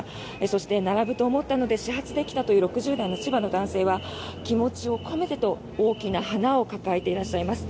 そして並ぶと思ったので始発で来たという千葉の７０代の男性は気持ちを込めてと大きな花を抱えていらっしゃいます。